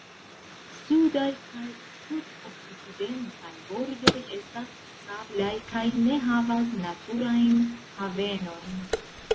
Sudaj kaj sud-okcidentaj bordoj estas sablaj kaj ne havas naturajn havenojn.